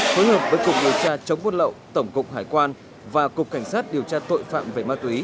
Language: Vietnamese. phối hợp với cục điều tra chống buôn lậu tổng cục hải quan và cục cảnh sát điều tra tội phạm về ma túy